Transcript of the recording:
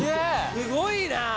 すごいな。